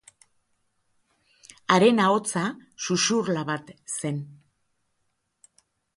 Haren ahotsa xuxurla bat zen.